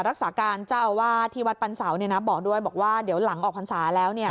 รักษาการเจ้าวาดที่วัดปรรรสาวเนี้ยนะบอกด้วยบอกว่าเดี๋ยวหลังออกภรรษาแล้วเนี้ย